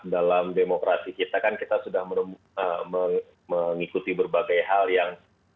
dan bagaimana lebih dari milan